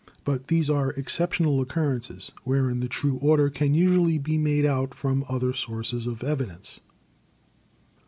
But these are exceptional oc currences, wherein the true order can usually be made out from other sources of evidence."